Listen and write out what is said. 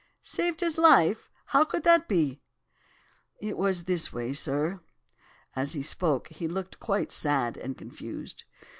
"'Saved his life? How could that be?' "'It was this way, sir.' As he spoke, he looked quite sad and confused.